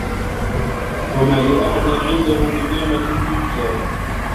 وَما لِأَحَدٍ عِندَهُ مِن نِعمَةٍ تُجزى